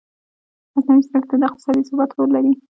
مصنوعي ځیرکتیا د اقتصادي ثبات رول لري.